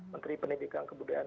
menteri pendidikan kebudayaan